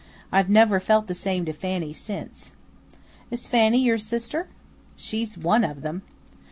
I've never felt the same to Fanny since." "Is Fanny your sister?" "She's one of them."